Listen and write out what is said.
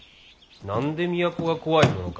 何で都が怖いものか！